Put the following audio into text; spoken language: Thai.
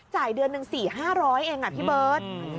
เดือนหนึ่ง๔๕๐๐เองพี่เบิร์ต